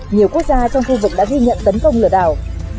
nhiều quốc gia trong khu vực đã ghi nhận tấn công lửa đảo